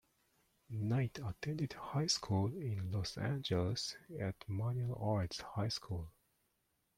Knight attended high school in Los Angeles, at Manual Arts High School.